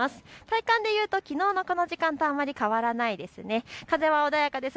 体感で言うときのうとこの時間とあまり変わらないです。